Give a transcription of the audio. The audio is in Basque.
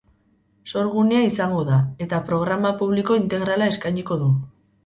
Sorgunea izango da, eta programa publiko integrala eskainiko du.